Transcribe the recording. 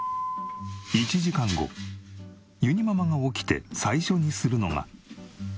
１時間後ゆにママが起きて最初にするのが。